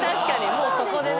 もうそこでね。